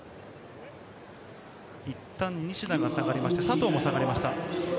いったん西田が下がりました、佐藤も下がりました。